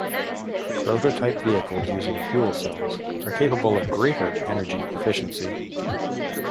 Prototype vehicles using fuel cells are capable of greater energy efficiency.